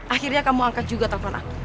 akhirnya kamu angkat juga telepon aku